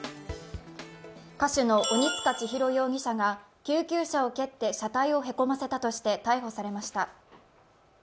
歌手の鬼束ちひろ容疑者が救急車を蹴って車体をへこませたとして逮捕されました。